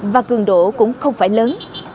và cường đổ cũng không phải lớn